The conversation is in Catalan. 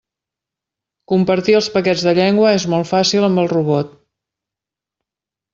Compartir els paquets de llengua és molt fàcil amb el robot.